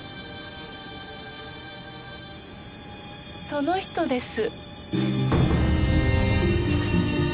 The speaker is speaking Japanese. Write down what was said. その人です。